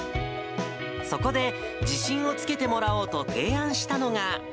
そこで自信をつけてもらおうと提案したのが。